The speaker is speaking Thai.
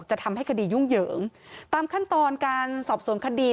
จะทำให้คดียุ่งเหยิงตามขั้นตอนการสอบสวนคดี